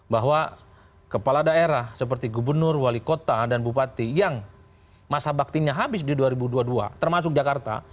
bahwa kepala daerah seperti gubernur wali kota dan bupati yang masa baktinya habis di dua ribu dua puluh dua termasuk jakarta